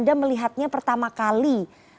dia melihatnya pertama kali